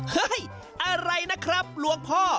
อะไรนะครับหลวงพ่อ